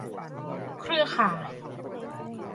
เครือข่าย